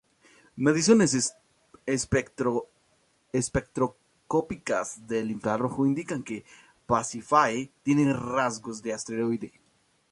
Mediciones espectroscópicas en infrarrojo indican que Pasífae tiene rasgos de asteroide.